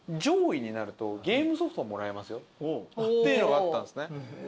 っていうのがあったんですね。